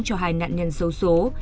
cho hai nạn nhân xấu xố